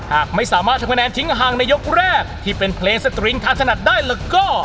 หากไม่สามารถทำคะแนนทิ้งห่างในยกแรกที่เป็นเพลงสตริงทานถนัดได้แล้วก็